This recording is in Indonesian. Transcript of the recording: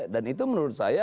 dan itu menurut saya